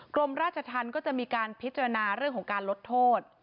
กรมราชธรรมก็จะมีการพิจารณาเรื่องของการลดโทษ